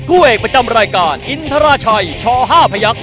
คู่เอกประจำรายการอินทราชัยช๕พยักษ